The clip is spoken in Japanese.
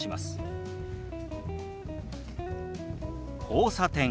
「交差点」。